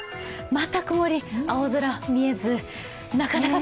また曇り、青空見えず。